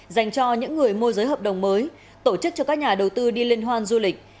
dành cho những người môi giới hợp đồng mới tổ chức cho các nhà đầu tư đi liên hoan du lịch